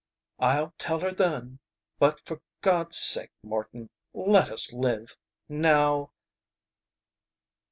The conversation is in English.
I'll tell her then. But for God's sake, Morton, let us live now!"